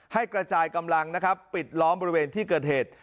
กระจายกำลังนะครับปิดล้อมบริเวณที่เกิดเหตุ